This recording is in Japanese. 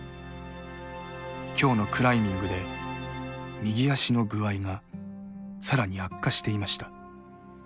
今日のクライミングで右足の具合が更に悪化していました。